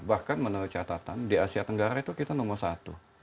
bahkan menurut catatan di asia tenggara itu kita nomor satu